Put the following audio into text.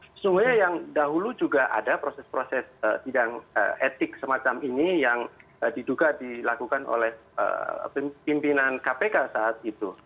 sesungguhnya yang dahulu juga ada proses proses sidang etik semacam ini yang diduga dilakukan oleh pimpinan kpk saat itu